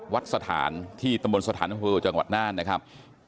วัดสถานที่ตำบลสถานอำเภอจังหวัดน่านนะครับ